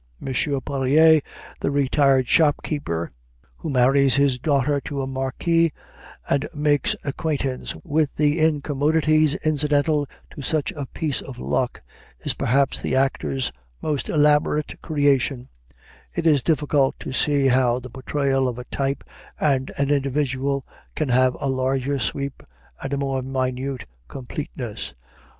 M. Poirier, the retired shopkeeper who marries his daughter to a marquis and makes acquaintance with the incommodities incidental to such a piece of luck, is perhaps the actor's most elaborate creation; it is difficult to see how the portrayal of a type and an individual can have a larger sweep and a more minute completeness.